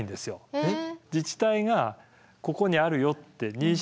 えっ！？